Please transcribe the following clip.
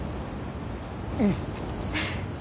うん。